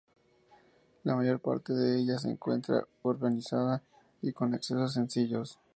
La mayor parte de ella se encuentra urbanizada y con accesos sencillos.